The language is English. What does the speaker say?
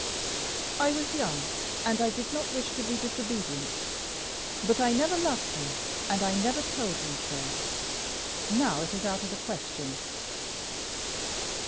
"I was young, and I did not wish to be disobedient. But I never loved him, and I never told him so. Now it is out of the question."